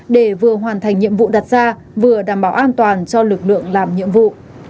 để vừa hoàn thành nhiệm vụ đặt ra vừa đảm bảo an toàn cho lực lượng làm nhiệm vụ